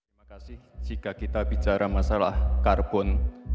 terima kasih jika kita bicara masalah karbon